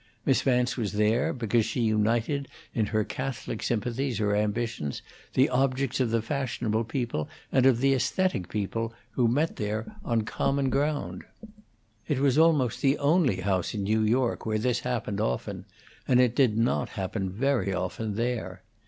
Miss Vance was there because she united in her catholic sympathies or ambitions the objects of the fashionable people and of the aesthetic people who met there on common ground. It was almost the only house in New York where this happened often, and it did not happen very often there.